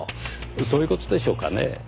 そういう事でしょうかねぇ。